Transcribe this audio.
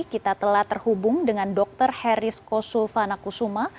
kita telah terhubung dengan dr herisko sulfanakusuma